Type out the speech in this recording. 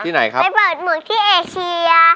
ไปเปิดหมวกที่เอเชีย